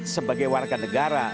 sebagai warga negara